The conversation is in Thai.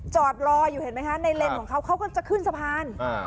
จอดรออยู่เห็นไหมคะในเลนของเขาเขาก็จะขึ้นสะพาน